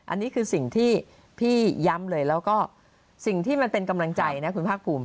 อันนี้คือสิ่งที่พี่ย้ำเลยแล้วก็สิ่งที่มันเป็นกำลังใจนะคุณภาคภูมิ